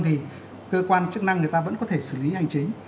thì cơ quan chức năng người ta vẫn có thể xử lý hành chính